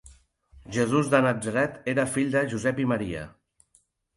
Jesús de Natzaret era fill de Josep i Maria.